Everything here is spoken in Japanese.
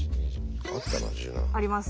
あります